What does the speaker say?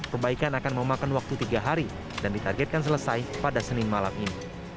perbaikan akan memakan waktu tiga hari dan ditargetkan selesai pada senin malam ini